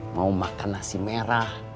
mau makan nasi merah